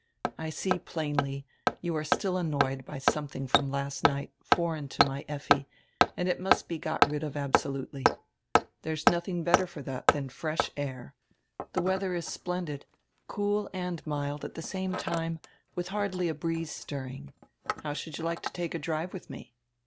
I see plainly, you are still annoyed by something from last night foreign to my Effi and it must be got rid of absolutely. There is nothing better for that than fresh air. The weather is splendid, cool and mild at the same time, with hardly a breeze stirring. How should you like to take a drive with me?